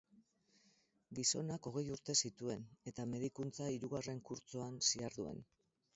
Gizonak hogei urte zituen, eta medikuntza hirugarren kurtsoan ziharduen.